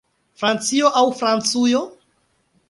Francio aŭ Francujo?